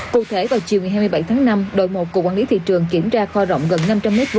cụ thể vào chiều ngày hai mươi bảy tháng năm đội một của quản lý thị trường kiểm tra kho rộng gần năm trăm linh m hai